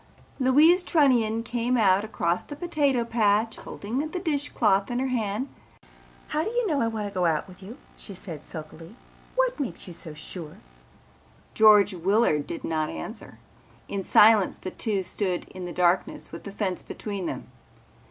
Louise Trunnion came out across the potato patch holding the dish cloth in her hand. "How do you know I want to go out with you," she said sulkily. "What makes you so sure?" George Willard did not answer. In silence the two stood in the darkness with the fence between them.